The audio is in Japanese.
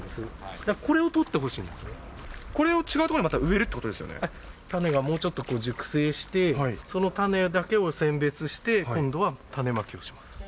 だからこれを取ってほしいんですこれを違う所にまた植えると種がもうちょっと熟成して、その種だけを選別して、今度は種まきをします。